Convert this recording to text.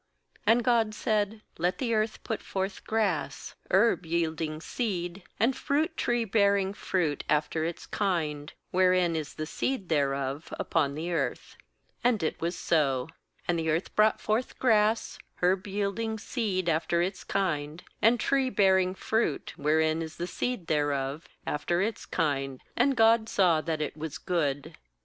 nAnd God said: 'Let the earth put forth grass, herb yielding seed, and fruit tree bearing fruit after its kind, wherein is the seed thereof, upon the earth.' And it was so. KAnd the earth brought forth grass, herb yielding seed after iljs^kind, and tree bearing fruit, wherein is the seed thereof, after its kind; and God saw that it was good.